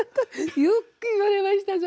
よく言われましたそれ。